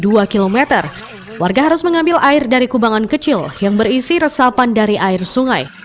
dua km warga harus mengambil air dari kubangan kecil yang berisi resapan dari air sungai